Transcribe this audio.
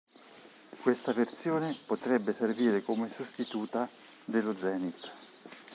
Questa versione potrebbe servire come sostituta dello Zenit.